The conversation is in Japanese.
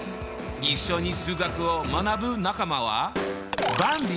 一緒に数学を学ぶ仲間はばんび